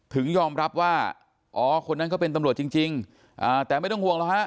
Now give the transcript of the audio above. ถึงยอมรับว่าอ๋อคนนั้นก็เป็นตำรวจจริงแต่ไม่ต้องห่วงหรอกฮะ